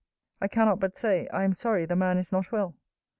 I cannot but say, I am sorry the man is not well.